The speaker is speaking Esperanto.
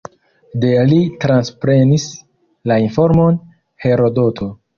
De li transprenis la informon Herodoto.